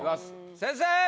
先生！